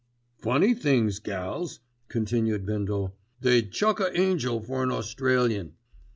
"Funny things gals," continued Bindle, "they'd chuck a angel for an Australian.